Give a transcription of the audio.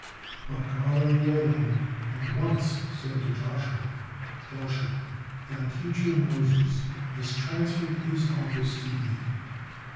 But God, on the other hand, at once said to Joshua: "Joshua, thy teacher Moses has transferred his office to thee.